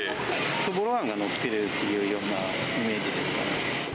そぼろあんが載ってるというようなイメージですかね。